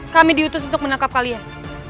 kami diutus untuk menangkap kalian